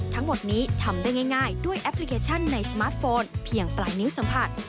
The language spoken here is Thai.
ทั้งหมดนี้ทำได้ง่ายด้วยแอปพลิเคชันในสมาร์ทโฟนเพียงปลายนิ้วสัมผัส